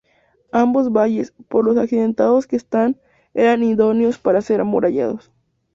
Ambos valles, por lo accidentados que están, eran idóneos para ser amurallados.